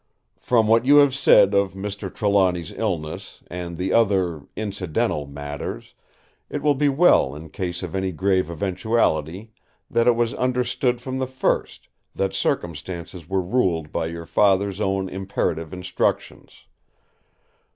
From what you have said of Mr. Trelawny's illness, and the other—incidental—matters, it will be well in case of any grave eventuality, that it was understood from the first, that circumstances were ruled by your Father's own imperative instructions.